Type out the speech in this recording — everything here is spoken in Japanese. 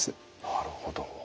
なるほど。